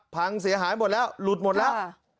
พังเสียหายหมดแล้วหลุดหมดแล้ว